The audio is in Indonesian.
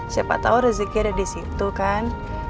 siapa tau rezeki ada disitu kan